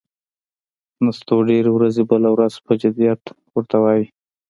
نستوه ډېر ورځي، بله ورځ پهٔ جدیت ور ته وايي: